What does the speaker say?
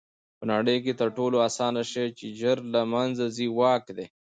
په نړۍ کښي تر ټولو آسانه شى چي ژر له منځه ځي؛ واک دئ.